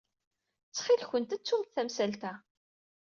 Ttxil-kent, ttumt tamsalt-a.